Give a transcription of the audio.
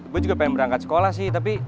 gue juga pengen berangkat sekolah sih tapi